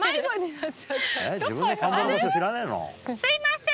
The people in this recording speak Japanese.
すいません。